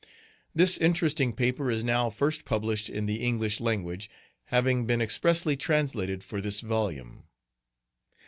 This interesting paper is now first published in the English language, having been expressly translated for this volume.